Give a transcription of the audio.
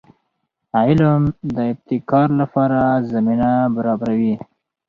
علم د ابتکار لپاره زمینه برابروي.